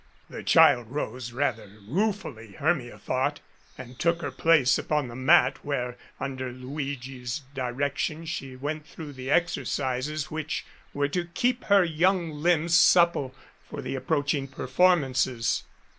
The child rose, rather ruefully, Hermia thought, and took her place upon the mat, where, under Luigi's direc tion, she went through the exercises which were to keep her young limbs supple for the approaching perform ances.